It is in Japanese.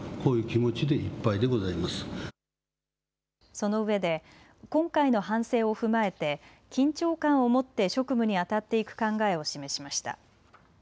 そのうえで今回の反省を踏まえて緊張感を持って職務にあたっていく考えを示しました。